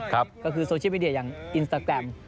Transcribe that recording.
ก็คือโซเชียลมีเดียอย่างอินสตาแกรม